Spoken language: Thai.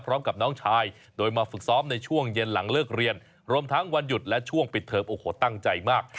พร้อมกับน้องชายโดยมาฝึกซ้อมในช่วงเย็นหลังเลิกเรียนรวมทั้งวันหยุดและช่วงปิดเทิมโอ้โหตั้งใจมาก